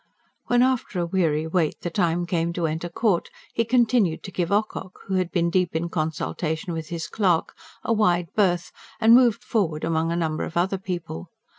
When after a weary wait the time came to enter court, he continued to give Ocock, who had been deep in consultation with his clerk, a wide berth, and moved forward among a number of other people.